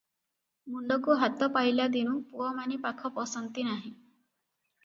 ମୁଣ୍ତକୁ ହାତ ପାଇଲା ଦିନୁ ପୁଅମାନେ ପାଖ ପଶନ୍ତି ନାହିଁ ।